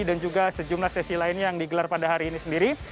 dan juga sejumlah sesi lainnya yang digelar pada hari ini sendiri